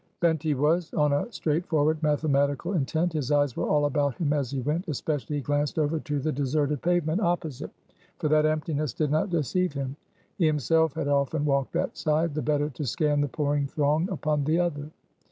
Bent he was, on a straightforward, mathematical intent. His eyes were all about him as he went; especially he glanced over to the deserted pavement opposite; for that emptiness did not deceive him; he himself had often walked that side, the better to scan the pouring throng upon the other.